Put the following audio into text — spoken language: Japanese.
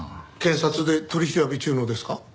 検察で取り調べ中のですか？